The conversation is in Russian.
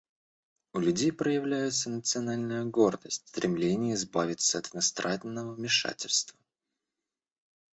У людей проявляются национальная гордость, стремление избавиться от иностранного вмешательства.